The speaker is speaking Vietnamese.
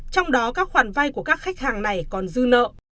trong đó các khoản vay của các khách hàng này còn dư nợ